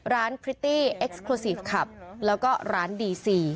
พริตตี้เอ็กซ์โครซีฟคลับแล้วก็ร้านดีซี